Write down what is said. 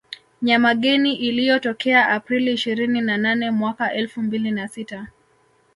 Nyamageni iliyotokea Aprili ishirini na nane mwaka elfu mbili na sita